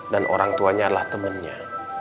dan orang tuanya adalah temannya